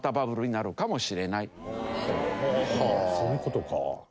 そういう事か。